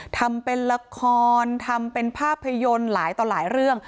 ทำเป็นละครทำเป็นภาพยนตร์หลายต่อหลายเรื่อง